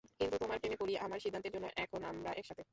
কিন্তু তোমার প্রেমে পড়ি, আমার সিদ্ধান্তের জন্য এখন আমরা একসাথে।